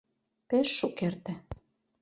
Пеш шукерте.